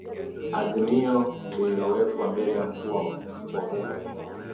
azimio liliwekwa mbele ya mkuu wa bunge